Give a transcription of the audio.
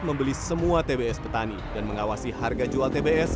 membeli semua tbs petani dan mengawasi harga jual tbs